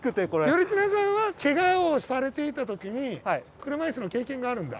頼綱さんはけがをされていた時に車いすの経験があるんだ。